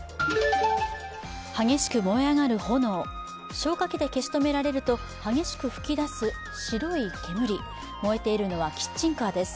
激しく燃え上がる炎、消火器で消し止められると激しく上がる煙燃えているのはキッチンカーです。